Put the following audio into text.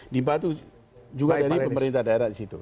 dibantu juga dari pemerintah daerah di situ